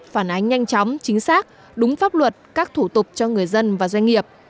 phản ánh nhanh chóng chính xác đúng pháp luật các thủ tục cho người dân và doanh nghiệp